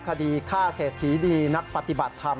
คดีฆ่าเศรษฐีดีนักปฏิบัติธรรม